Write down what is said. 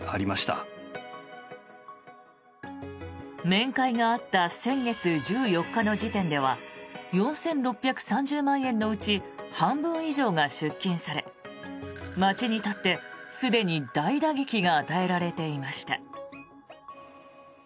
面会があった先月１４日の時点では４６３０万円のうち半分以上が出金され町にとって、すでに大打撃が与えられていました。